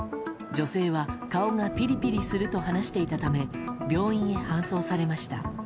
女性は顔がピリピリすると話していたため病院へ搬送されました。